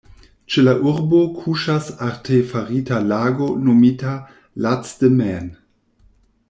Ĉe la urbo kuŝas artefarita lago nomita "Lac de Maine".